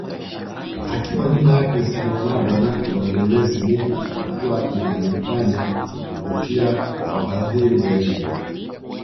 Akiwa nyuma ya Cristiano Ronaldo na Lionel Messi ni hatua inayomfanya kuvutia wafadhili wengi